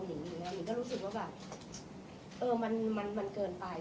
หนึ่งอย่างเงี้ยหนึ่งก็รู้สึกว่าแบบเออมันมันมันเกินไป